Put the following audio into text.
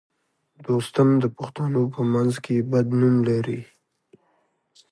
دوستم د پښتنو په منځ کې بد نوم لري